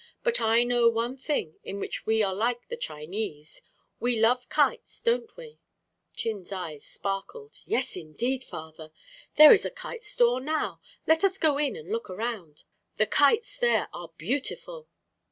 But I know one thing in which we are like the Chinese. We love kites, don't we?" Chin's eyes sparkled. "Yes, indeed, father. There is a kite store, now. Let us go in and look around. The kites there are beautiful."